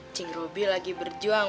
cing robby lagi berjuang